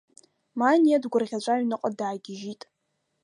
Маниа дгәырӷьаҵәа аҩныҟа даагьежьит.